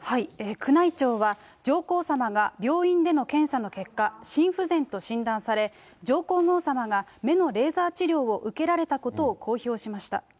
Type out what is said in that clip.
宮内庁は、上皇さまが病院での検査の結果、心不全と診断され、上皇后さまが目のレーザー治療を受けられたことを公表しました。